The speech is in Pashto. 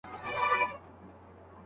په ناسم ځای کي مه پاته کېږه.